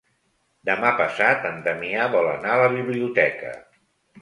Demà passat en Damià vol anar a la biblioteca.